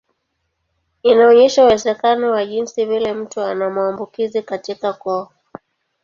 Inaonyesha uwezekano wa jinsi vile mtu ana maambukizi katika koo.